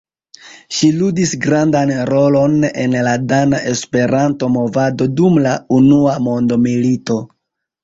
Ŝi ludis grandan rolon en la dana Esperanto-movado dum la unua mondmilito.